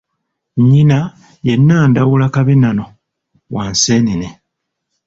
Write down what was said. Nnyina ye Nnandawula Kabennano wa Nseenene.